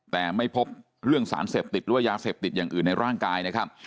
แต่ไม่พบเรื่องสารเสพติดหรือว่ายาเสพติดอย่างอื่นในร่างกายนะครับ